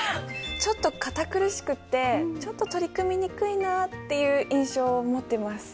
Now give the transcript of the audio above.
ちょっと堅苦しくってちょっと取り組みにくいなっていう印象を持ってます。